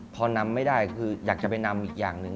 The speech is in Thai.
พอนำไม่ได้คืออยากจะไปนำอีกอย่างหนึ่ง